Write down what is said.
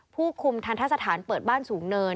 ผู้คุมทันทะสถานเปิดบ้านสูงเนิน